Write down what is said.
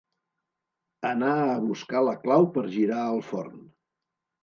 Anar a buscar la clau per girar el forn.